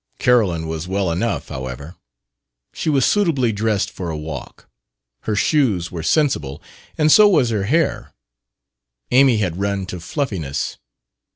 Carolyn was well enough, however. She was suitably dressed for a walk. Her shoes were sensible, and so was her hair. Amy had run to fluffiness.